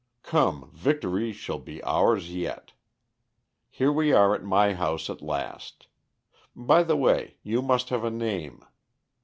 "Come, victory shall be ours yet. Here we are at my house at last. By the way, you must have a name.